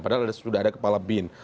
padahal sudah ada kepala bin